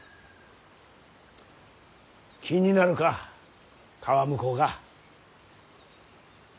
気になるか川向こうが。